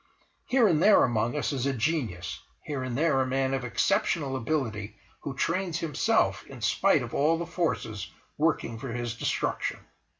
Here and there among us is a genius, here and there a man of exceptional stability who trains himself in spite of all the forces working for his destruction.